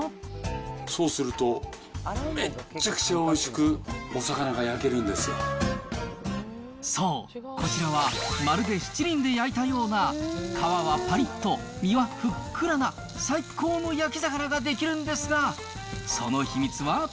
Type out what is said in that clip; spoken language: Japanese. そうすると、めっちゃくちゃおいしく、そう、こちらはまるでしちりんで焼いたような、皮はぱりっと、身はふっくらな最高の焼魚が出来るんですが、その秘密は。